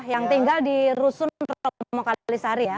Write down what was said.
yang tinggal di rusun romo kalisari ya